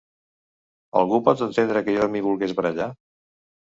Algú pot entendre que jo m’hi volgués barallar?